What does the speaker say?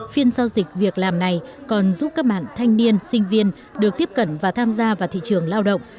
phiên giao dịch việc làm này còn giúp các bạn thanh niên sinh viên được tiếp cận và tham gia vào thị trường lao động